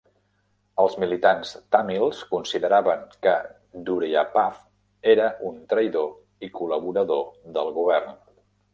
Els militants tàmils consideraven que Duraiappah era un traïdor i col·laborador del govern.